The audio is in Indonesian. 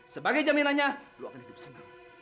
sebagai jaminannya lu akan hidup senang